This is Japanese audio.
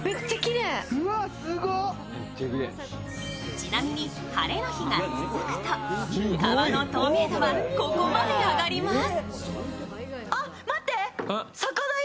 ちなみに晴れの日が続くと、川の透明度はここまで上がります。